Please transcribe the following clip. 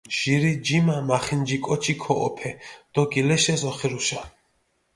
ჟირი ჯიმა მახინჯი კოჩი ქოჸოფე დო გილეშეს ოხირუშა.